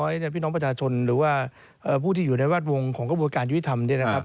อย่างน้อยพี่น้องประชาชนหรือว่าผู้ที่อยู่ในวาดวงของกระบวนการยุทธรรม